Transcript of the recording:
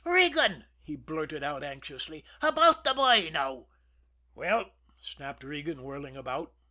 "Regan," he blurted out anxiously, "about the bhoy, now." "Well?" snapped Regan, whirling about.